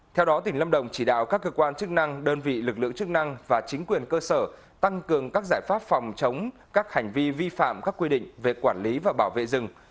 theo đó tỉnh lâm đồng chỉ đạo các cơ quan chức năng đơn vị lực lượng chức năng và chính quyền cơ sở tăng cường các giải pháp phòng chống các hành vi vi phạm các quy định về quản lý và bảo vệ rừng